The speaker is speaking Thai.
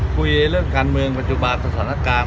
คุยเรื่องการเมืองปัจจุบันสถานการณ์